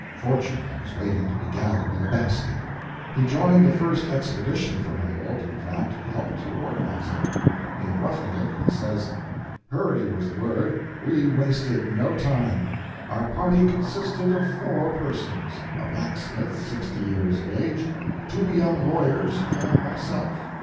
Fortune was waiting to be gathered in a basket. He joined the first expedition for Humboldt in fact, helped to organize it. In "Roughing It" he says: "Hurry was the word! We wasted no time. Our party consisted of four persons a blacksmith sixty years of age, two young lawyers, and myself.